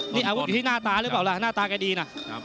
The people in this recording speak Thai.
นี่อาวุธอยู่ที่หน้าตาหรือเปล่าล่ะหน้าตาแกดีนะ